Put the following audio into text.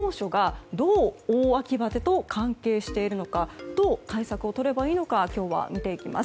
この異例の猛暑がどう大秋バテと関係しているのかどう対策をとればいいのか今日は見ていきます。